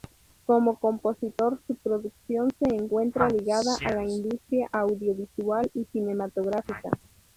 Como compositor, su producción se encuentra ligada a la industria audiovisual y cinematográfica.